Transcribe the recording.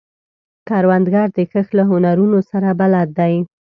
کروندګر د کښت له هنرونو سره بلد دی